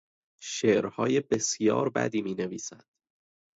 شعرهای بسیار بدی مینویسد.